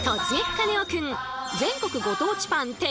カネオくん」。